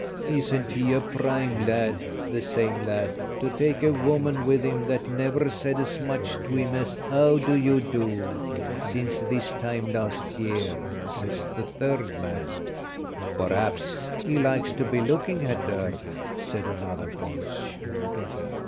"Isn't he a prime lad, the same lad! to take a woman with him that never said as much to him as, 'How do you do?' since this time last year!" says the third man. "Perhaps be likes to be looking at her," said another voice.